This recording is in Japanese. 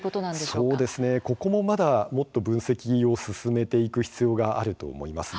そうですね、ここもまだ分析を進めていく必要があると思います。